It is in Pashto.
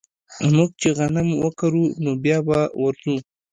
موږ چې غنم وکرو نو بيا به ورځو